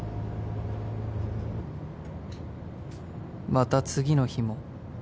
［また次の日も］